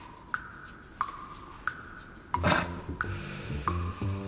あっ。